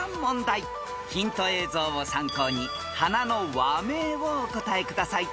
［ヒント映像を参考に花の和名をお答えください］